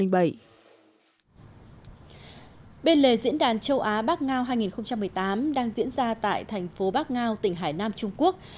bên lề diễn đàn châu á bắc ngao hai nghìn một mươi tám đang diễn ra tại thành phố bắc ngao tỉnh hải nam trung quốc